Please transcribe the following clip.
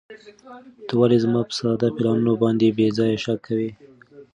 ته ولې زما په ساده پلانونو باندې بې ځایه شک کوې؟